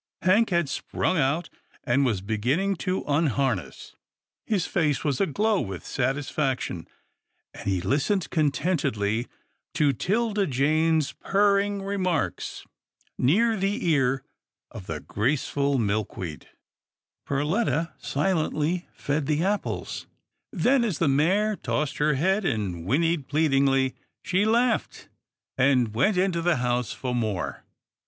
Hank had sprung out, and was beginning to unharness. His face was aglow with satisfaction, and he listened contentedly to 'Tilda Jane's pur ring remarks near the ear of the graceful Milk weed. Perletta silently fed the apples, then, as the mare tossed her head, and whinnied pleadingly, she laughed, and went into the house for more.